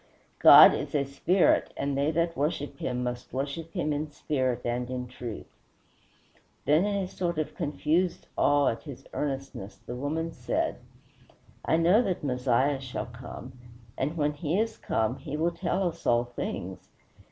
God is a Spirit, and they that worship him must worship him in spirit and in truth." Then, in a sort of confused awe at his earnestness, the woman said, "I know that Messiah shall come, and when he is come he will tell us all things."